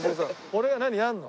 俺が何？やるの？